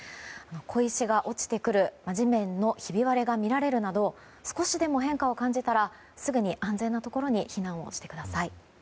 小石が落ちてくる地面のひび割れが見られるなど少しでも変化を感じたら安全な場所に避難をしてください。